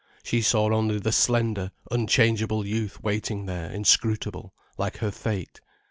She saw only the slender, unchangeable youth waiting there inscrutable, like her fate.